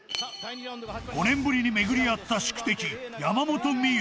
［５年ぶりに巡り合った宿敵山本美憂］